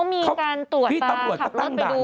ตำรวจเขามีการตรวจตา